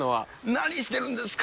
何してるんですか？